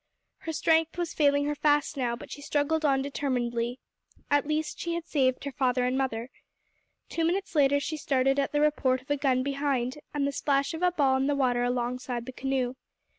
Her strength was failing her fast now, but she struggled on determinedly; at least she had saved her father and mother. Two minutes later she started at the report of a gun behind, and the splash of a ball in the water alongside the canoe.